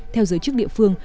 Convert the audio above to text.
theo giới chức địa phương